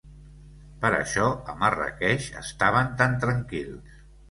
Per això a Marràqueix estaven tan tranquils.